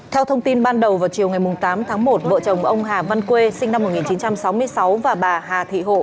theo thông tin ban đầu vào chiều ngày tám tháng một vợ chồng ông hà văn quê sinh năm một nghìn chín trăm sáu mươi sáu và bà hà thị hộ